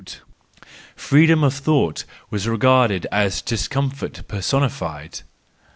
Freedom of thought was regarded as discomfort personified.